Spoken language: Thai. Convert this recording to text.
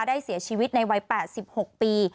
ได้เสียชีวิตในวัย๘๖ปี